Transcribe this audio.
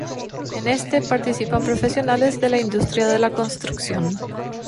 En este participan profesionales de la industria de la construcción.